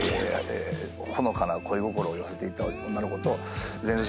ほのかな恋心を寄せていた女の子と。